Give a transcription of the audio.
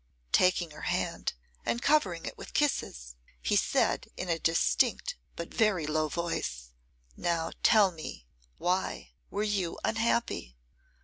Taking her hand and covering it with kisses, he said in a distinct, but very low voice, 'Now tell me, why were you unhappy?